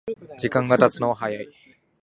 時間がたつのは早い